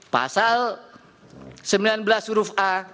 pasal sembilan belas huruf a